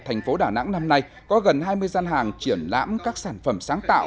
thành phố đà nẵng năm nay có gần hai mươi gian hàng triển lãm các sản phẩm sáng tạo